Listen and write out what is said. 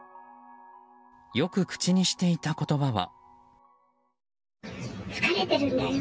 よく口にしていた言葉は。